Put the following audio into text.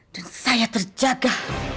dan saya terjaga